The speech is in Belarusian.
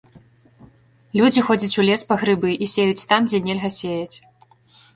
Людзі ходзяць у лес па грыбы і сеюць там, дзе нельга сеяць.